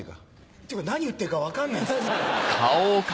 っていうか何言ってるか分かんないです。